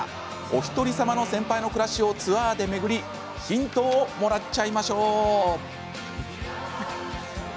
おひとりさまの先輩の暮らしをツアーで巡りヒントをもらっちゃいましょう。